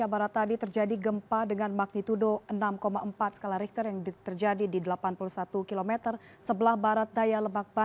bagaimana situasi pasca gempa